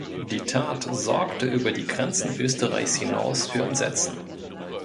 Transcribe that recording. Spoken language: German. Die Tat sorgte über die Grenzen Österreichs hinaus für Entsetzen.